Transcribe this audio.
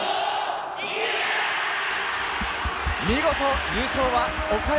見事優勝は岡山